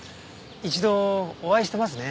一度お会いしてますね。